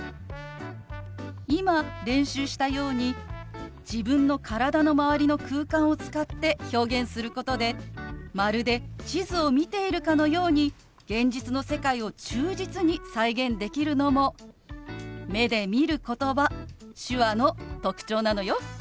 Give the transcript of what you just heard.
今練習したように自分の体の周りの空間を使って表現することでまるで地図を見ているかのように現実の世界を忠実に再現できるのも目で見る言葉手話の特徴なのよ。